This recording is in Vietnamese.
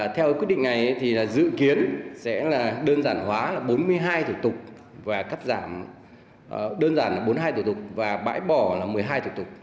theo quyết định này thì dự kiến sẽ là đơn giản hóa bốn mươi hai thủ tục và cắt giảm đơn giản là bốn mươi hai thủ tục và bãi bỏ một mươi hai thủ tục